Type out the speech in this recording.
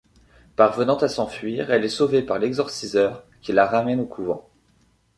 Parvenant à s'enfuir, elle est sauvée par l'exorciseur qui la ramène au couvent.